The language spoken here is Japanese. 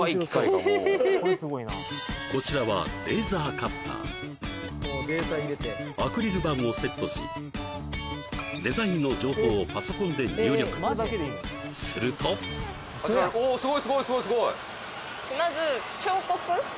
こちらはアクリル板をセットしデザインの情報をパソコンで入力するとやろへえすごっ！